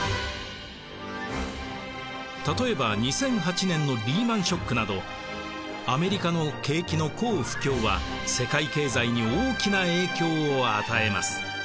例えば２００８年のリーマン・ショックなどアメリカの景気の好不況は世界経済に大きな影響を与えます。